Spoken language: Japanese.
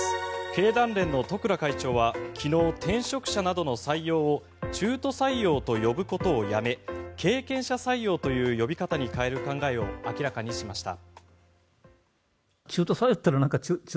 経団連の十倉会長は昨日、転職者などの採用を中途採用と呼ぶことをやめ経験者採用という呼び方に変える考えを明らかにしました。